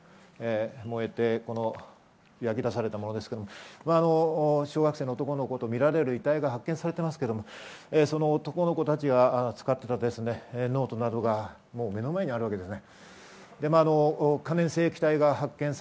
燃えて焼き出されたものですけれども、小学生の男の子とみられる遺体が発見されていますけれども、その男の子たちが使っていたノートなどが目の前にあるわけですね。